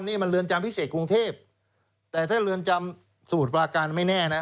นี่มันเรือนจำพิเศษกรุงเทพแต่ถ้าเรือนจำสมุทรปราการไม่แน่นะ